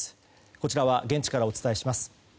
こちらは現地からお伝えします。